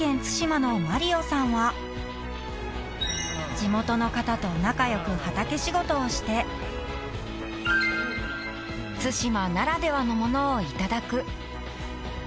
対馬の万里央さんは地元の方と仲良く畑仕事をして対馬ならではのものをいただく］